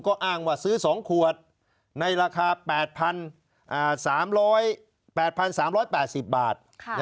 ก็อ้างว่าซื้อ๒ขวดในราคา๘๓๐๘๓๘๐บาท